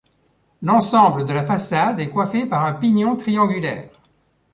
L'ensemble de la façade est coiffé par un pignon triangulaire.